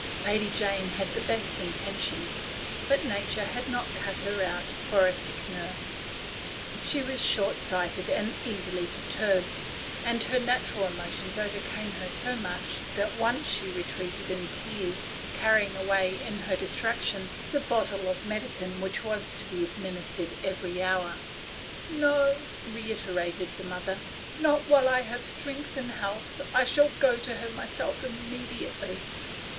Lady Jane had the best intentions, but nature had not cut her out for a sick nurse. She was short sighted 260 THE GATE OF SILENCE. 267 and easily upset, and her natural emotions overcame her so much that twice she re treated in tears, and carried away in her dis traction the bottle of medicine which was to be administered every hour. " No," reiterated the mother, " not while I have health and strength. I shall go to her myself immediately."